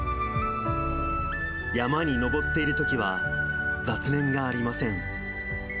山に登っているときは、雑念がありません。